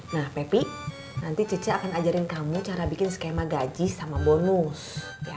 nah pepi nanti cica akan ajarin kamu cara bikin skema gaji sama bonus